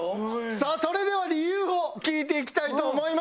さあそれでは理由を聞いていきたいと思います。